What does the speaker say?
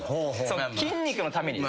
筋肉のために。